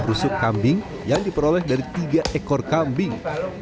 rusuk kambing yang diperoleh dari tiga ekor kambing